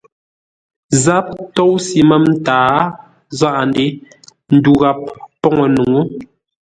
Záp tóusʉ mə̂m-taa, záʼa-ndě ndu ghap poŋə́ nuŋú.